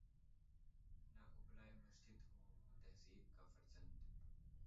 نے ابلۂ مسجد ہوں نہ تہذیب کا فرزند